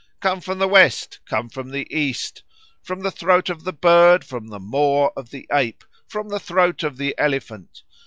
Come from the West, come from the East. From the throat of the bird, from the maw of the ape, from the throat of the elephant.